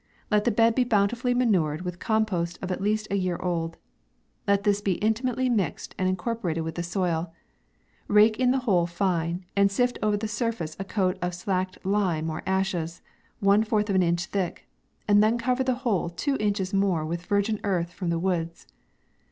Let the bed be bountifully manured with compost of at least a year old Let this be intimately mixed and incorporated with the soil ; rake the whole fine, and sift over the surface a coat of slacked lime or ashes, one fourth of an inch thick ; then cover the whole two inches more with virgin earth from the woods.